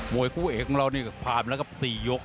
มวยกู้เอกของเรานี่พาร์มแล้วกับสี่ยก